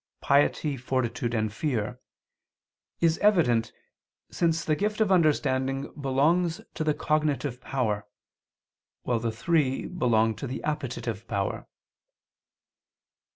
piety, fortitude, and fear, is evident, since the gift of understanding belongs to the cognitive power, while the three belong to the appetitive power.